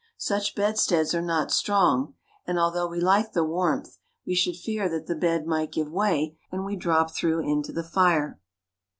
Such bedsteads are not strong, and, although we like the warmth, we should fear that the bed might give way and we drop through into the fire.